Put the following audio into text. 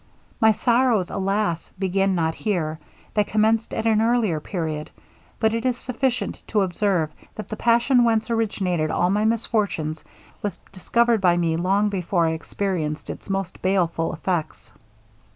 My sorrows, alas! began not here; they commenced at an earlier period. But it is sufficient to observe, that the passion whence originated all my misfortunes, was discovered by me long before I experienced its most baleful effects.